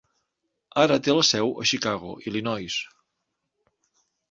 Ara té la seu a Chicago, Illinois.